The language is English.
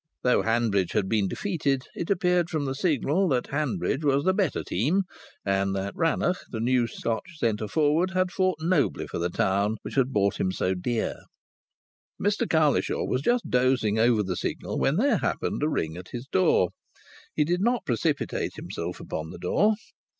Though Hanbridge had been defeated, it appeared from the Signal that Hanbridge was the better team, and that Rannoch, the new Scotch centre forward, had fought nobly for the town which had bought him so dear. Mr Cowlishaw was just dozing over the Signal when there happened a ring at his door. He did not precipitate himself upon the door.